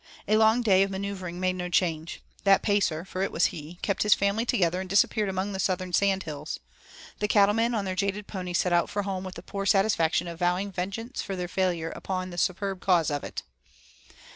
A long day of manoeuvring made no change. The Pacer, for it was he, kept his family together and disappeared among the southern sand hills. The cattlemen on their jaded ponies set out for home with the poor satisfaction of vowing vengeance for their failure on the superb cause of it.